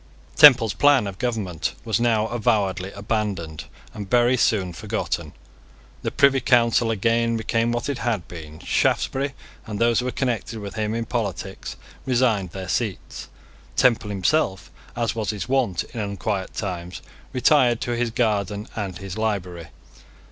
Temple's plan of government was now avowedly abandoned and very soon forgotten. The Privy Council again became what it had been. Shaftesbury, and those who were connected with him in politics resigned their seats. Temple himself, as was his wont in unquiet times, retired to his garden and his library.